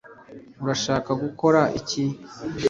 urashaka gukora iki